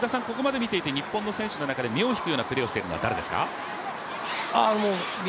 日本の選手の中で目を引くようなプレーをしているのは誰ですか？